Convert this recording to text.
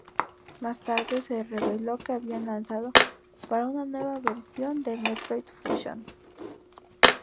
Más tarde se reveló que habían lanzado para una nueva versión de Metroid Fusion.